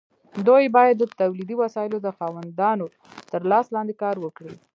دوی باید د تولیدي وسایلو د خاوندانو تر لاس لاندې کار وکړي.